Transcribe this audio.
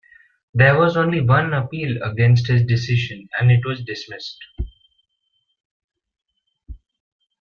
There was only one appeal against his decision, and it was dismissed.